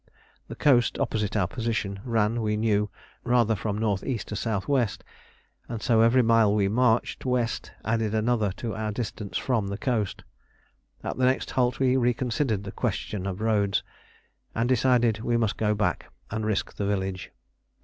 The coast opposite our position ran, we knew, rather from N.E. to S.W., and so every mile we marched west added another to our distance from the coast. At the next halt we reconsidered the question of roads, and decided we must go back and risk the village.